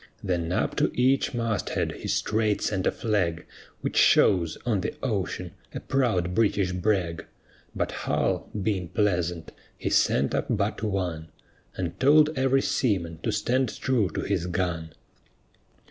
Then up to each mast head he straight sent a flag, Which shows, on the ocean, a proud British brag; But Hull, being pleasant, he sent up but one, And told every seaman to stand true to his gun.